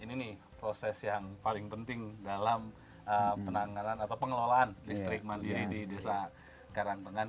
ini nih proses yang paling penting dalam penanganan atau pengelolaan listrik mandiri di desa karangtengan